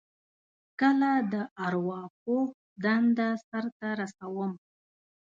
کله د ارواپوه دنده سرته رسوم.